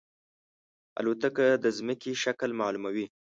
الوتکه د زمکې شکل معلوموي.